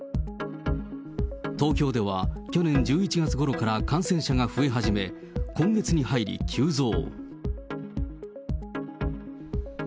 東京では去年１１月ごろから感染者が増え始め、今月に入り急増。